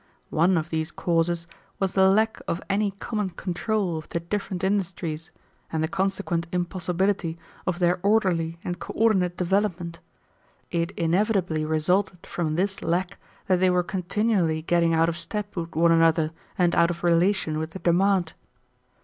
One of these causes was the lack of any common control of the different industries, and the consequent impossibility of their orderly and coordinate development. It inevitably resulted from this lack that they were continually getting out of step with one another and out of relation with the demand.